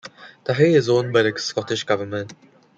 Tahay is owned by the Scottish Government.